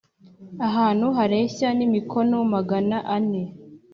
ahantu hareshya n imikono magana ane